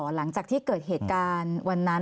หลังจากที่เกิดเหตุการณ์วันนั้น